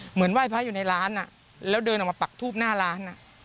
ไหว้พระอยู่ในร้านแล้วเดินออกมาปักทูบหน้าร้าน